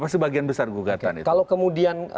sebagian besar gugatan kalau kemudian